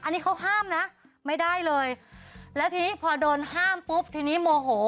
อันนี้เขาห้ามนะไม่ได้เลยแล้วทีนี้พอโดนห้ามปุ๊บทีนี้โมโห